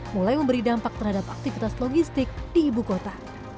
mulai memberi dampak terhadap aktivitas logistik di ibu kota